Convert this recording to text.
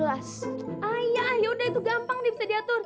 ah iya yaudah itu gampang nih bisa diatur